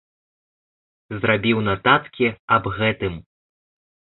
Зрабіў нататкі аб гэтым.